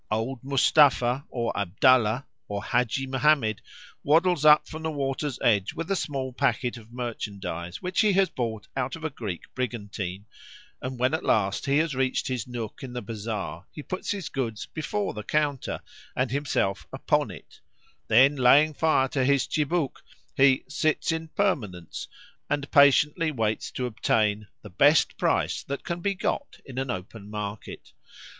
Old Moostapha, or Abdallah, or Hadgi Mohamed waddles up from the water's edge with a small packet of merchandise, which he has bought out of a Greek brigantine, and when at last he has reached his nook in the bazaar he puts his goods before the counter, and himself upon it; then laying fire to his tchibouque he "sits in permanence," and patiently waits to obtain "the best price that can be got in an open market."